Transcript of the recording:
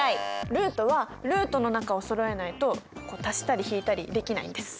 ルートはルートの中をそろえないと足したり引いたりできないんです。